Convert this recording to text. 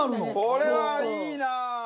これはいいなあ！